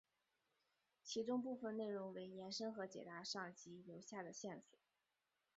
其中部分内容为延伸和解答上集留下的线索。